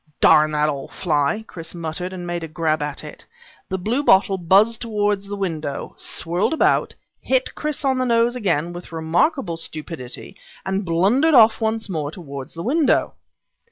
"Darn that ol' fly!" Chris muttered, and made a grab at it. The bluebottle buzzed towards the window, swirled about, hit Chris on the nose again with remarkable stupidity, and blundered off once more towards the window.